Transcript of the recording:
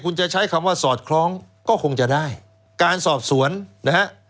คุณจะใช้คำว่าสอดคล้องก็คงจะได้การสอบสวนนะฮะ